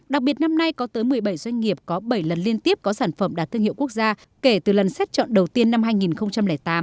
đặc biệt năm nay có tới một mươi bảy doanh nghiệp có bảy lần liên tiếp có sản phẩm đạt thương hiệu quốc gia kể từ lần xét chọn đầu tiên năm hai nghìn tám